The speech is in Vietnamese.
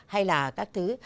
hay là các thứ